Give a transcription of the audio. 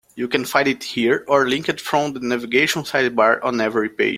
You can find it here, or linked from the navigation sidebar on every page.